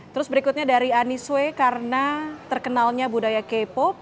terus berikutnya dari aniswe karena terkenalnya budaya k pop